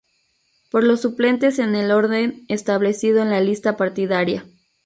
Por los suplentes en el orden establecido en la lista partidaria.